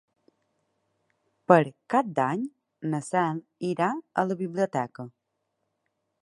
Per Cap d'Any na Cel irà a la biblioteca.